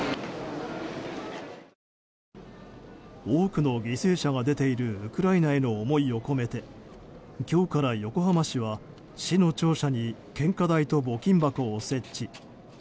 多くの犠牲者が出ているウクライナへの思いを込めて今日から横浜市は市の庁舎に献花台と募金箱を設置。